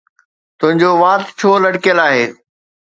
تنهنجو وات ڇو لٽڪيل آهي؟